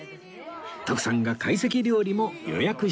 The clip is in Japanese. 徳さんが会席料理も予約しています